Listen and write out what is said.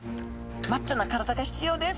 マッチョな体が必要です。